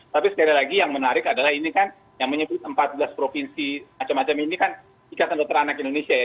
tapi sekali lagi yang menarik adalah ini kan yang menyebut empat belas provinsi macam macam ini kan ikatan dokter anak indonesia ya